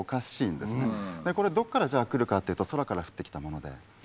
これどっから来るかっていうと空から降ってきたもので。